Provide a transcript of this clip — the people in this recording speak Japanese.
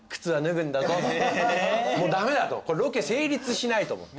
もう駄目だとロケ成立しないと思って。